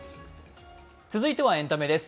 続いてはエンタメです。